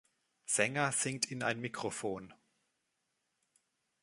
Sänger singt in ein Mikrofon.